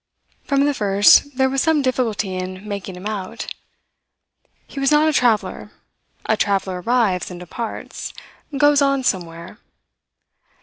From the first there was some difficulty in making him out. He was not a traveller. A traveller arrives and departs, goes on somewhere.